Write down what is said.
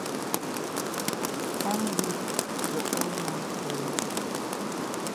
Kam good for all man for here.